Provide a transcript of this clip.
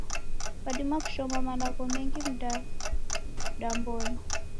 Kwadima kushoma malagho mengi mdadambonyi